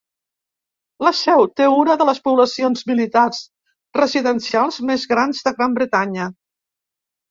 La seu té una de les poblacions militars residencials més grans de Gran Bretanya.